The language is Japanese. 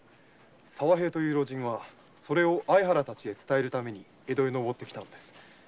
沢平という老人はそれを相原たちへ伝えるために江戸へ上って来たのです。